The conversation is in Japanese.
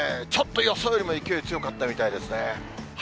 ちょっと予想よりも勢い強かったみたいですね。